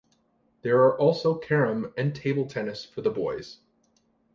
There are also carrom and table tennis for the boys.